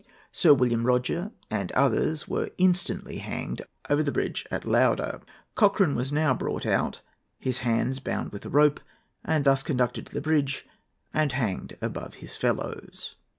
Sir William Roger and others were instantly hanged over the bridge at Lauder. Cochran was now brought out, his hands bound with a rope, and thus conducted to the bridge, and hanged above his fellows."